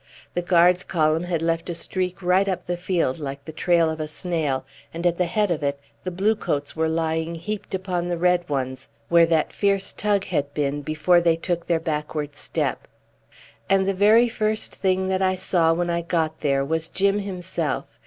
The Guards' column had left a streak right up the field like the trail of a snail, and at the head of it the blue coats were lying heaped upon the red ones where that fierce tug had been before they took their backward step. And the very first thing that I saw when I got there was Jim himself.